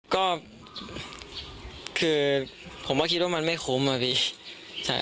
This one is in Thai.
ก็คือผมก็คิดว่ามันไม่คุ้มอะพี่